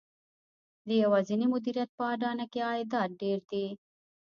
د یوازېني مدیریت په اډانه کې عایدات ډېر دي